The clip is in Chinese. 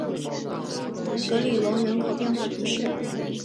格里隆人口变化图示